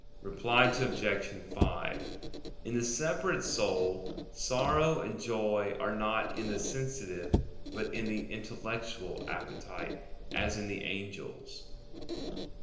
Reply Obj. 5: In the separate soul, sorrow and joy are not in the sensitive, but in the intellectual appetite, as in the angels.